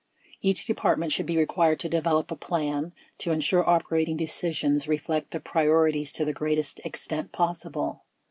Each Department should be required to develop a plan to insure operating decisions reflect the priorities to the greatest extent possible.